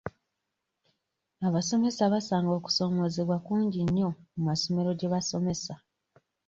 Abasomesa basanga okusoomoozebwa kungi nnyo mu masomero gye basomesa.